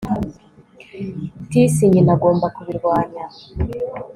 tis nyina agomba kubirwanya